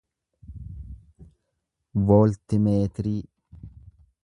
vooltimeetirii